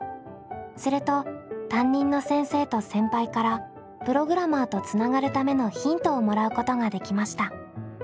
すると担任の先生と先輩からプログラマーとつながるためのヒントをもらうことができました。